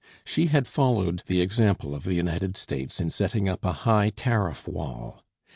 She had followed the example of the United States in setting up a high tariff wall.